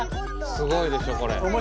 すごいでしょこれ。